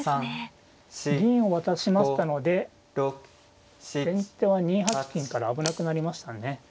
銀を渡しましたので先手は２八金から危なくなりましたね。